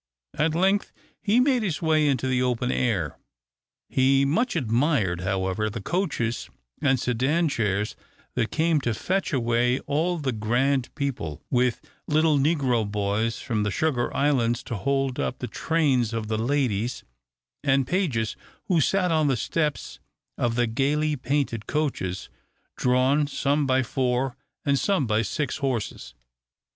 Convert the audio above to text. At length he made his way into the open air. He much admired, however, the coaches and sedan chairs that came to fetch away all the grand people, with little negro boys from the Sugar Islands to hold up the trains of the ladies, and pages who sat on the steps of the gaily painted coaches, drawn, some by four, and some by six horses.